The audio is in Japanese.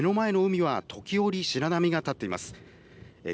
目の前の海は時折、白波が立ってます。